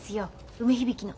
梅響の。